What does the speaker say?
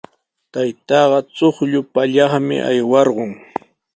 Taytaaqa chuqllu pallaqmi aywarqun.